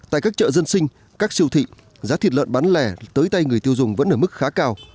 tại các chợ dân sinh các siêu thị giá thịt lợn bán lẻ tới tay người tiêu dùng vẫn ở mức khá cao